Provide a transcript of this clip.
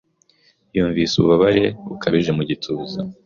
Yumvise ububabare bukabije mu gituza.